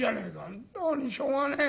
本当にしょうがねえ。